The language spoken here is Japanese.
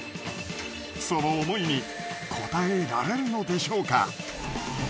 その思いに応えられるのでしょうか。